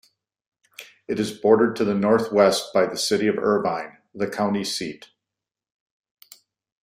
It is bordered to the northwest by the city of Irvine, the county seat.